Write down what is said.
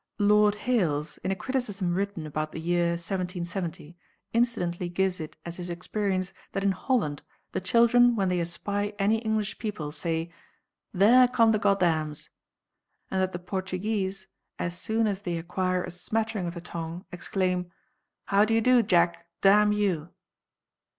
Lord Hailes, in a criticism written about the year 1770, incidentally gives it as his experience that in Holland the children when they espy any English people say, "There come the Goddams," and that the Portuguese, as soon as they acquire a smattering of the tongue, exclaim, "How do you do, Jack? damn you!"